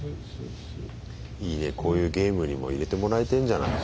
いいねこういうゲームにも入れてもらえてんじゃない。